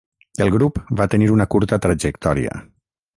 El grup va tenir una curta trajectòria.